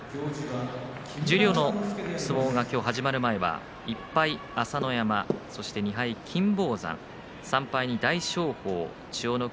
十両の相撲が始まる前は１敗、朝乃山２敗、金峰山３敗、大翔鵬、千代の国